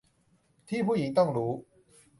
ที่ผู้หญิงต้องรู้